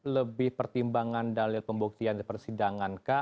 lebih pertimbangan dalil pembuktian persidangankah